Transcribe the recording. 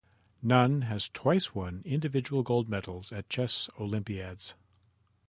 Nunn has twice won individual gold medals at Chess Olympiads.